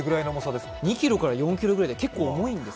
２ｋｇから４ｋｇと結構重いんです。